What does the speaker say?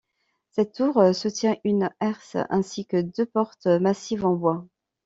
Cette tour soutient une herse, ainsi que deux portes massives en bois.